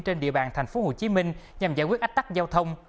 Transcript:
trên địa bàn tp hcm nhằm giải quyết ách tắc giao thông